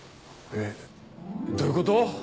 えっどういうこと？